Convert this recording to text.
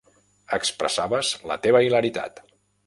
Expressaves la teva hilaritat.